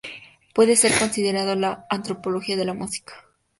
Puede ser considerado la antropología de la música.